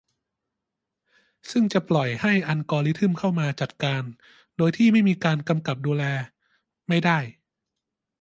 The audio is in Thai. ซึ่งจะปล่อยให้อัลกอริทึมเข้ามาจัดการโดยที่ไม่มีการกำกับดูแลไม่ได้